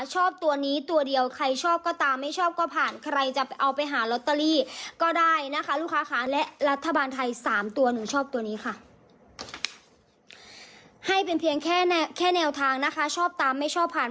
ให้เป็นเพียงแค่แนวทางนะฮะชอบตามไม่ชอบผ่าน